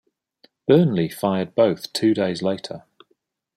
Burnley fired both two days later.